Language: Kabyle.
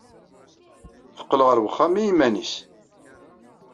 Teqqel ɣer uxxam i yiman-nnes.